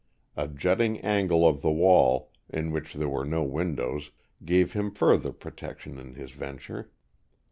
A jutting angle of the wall, in which there were no windows, gave him further protection in his venture.